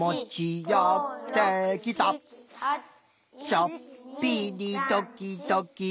「ちょっぴりどきどき」